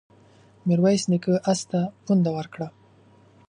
ميرويس نيکه آس ته پونده ورکړه.